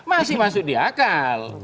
masih masuk di akal